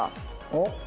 おっ。